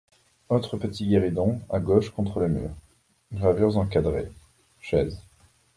Autre petit guéridon, à gauche, contre le mur. — Gravures encadrées. — Chaises.